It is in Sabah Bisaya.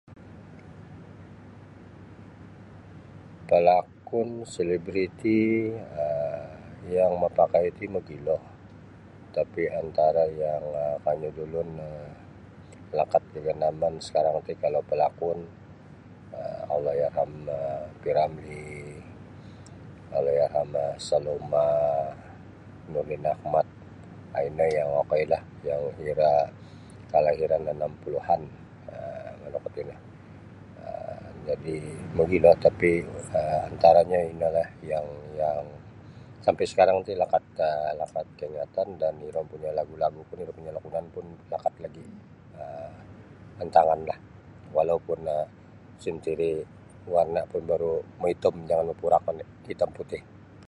Palakun, selebriti um yang mapakai ti magilo tapi antara yang um kanyu da ulun um lakat kagandaman sakarang ti kalau palakun Allahyarham P Ramlee Allahyarhamah Saloma Nordin Ahmad um ino yang okoi lah yang era kalau era kalairann anam pulahan um kalau kuo tino jadi magilo tapi um antaranyo ino lah yang yang sampai sakarang ti lakat lakat kaingatan dan iro punya lagu-lagu oun iro punya lakunan pun lakat lagi um antagan lah walaupun um musim tiri warna pun baru maitom jangan mapurak oni hitam putih.